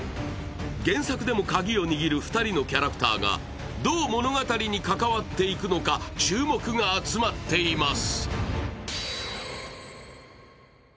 原作でもカギを握る２人のキャラクターがどう物語に関わっていくのか注目が集まっています。